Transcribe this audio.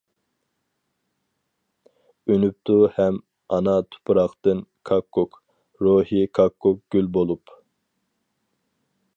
ئۈنۈپتۇ ھەم ئانا تۇپراقتىن، ‹ ‹كاككۇك› › روھى كاككۇك گۈل بولۇپ.